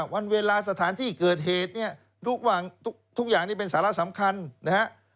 วันเวลาสถานที่เกิดเหตุเนี่ยทุกอย่างนี้เป็นสาระสำคัญนะฮะ